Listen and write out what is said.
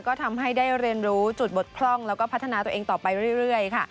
ก็ทำให้ได้เรียนรู้จุดบทพร่องแล้วก็พัฒนาตัวเองต่อไปเรื่อย